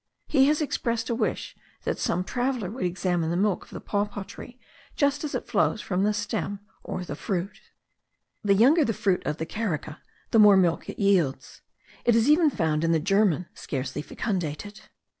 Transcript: He has expressed a wish that some traveller would examine the milk of the papaw tree just as it flows from the stem or the fruit. The younger the fruit of the carica, the more milk it yields: it is even found in the germen scarcely fecundated.